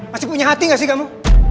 masih punya hati gak sih kamu